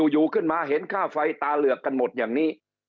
อยู่ขึ้นมาเห็นค่าไฟตาเหลือกกันหมดอย่างนี้